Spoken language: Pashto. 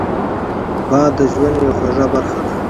باد د ژوند یوه خوږه برخه ده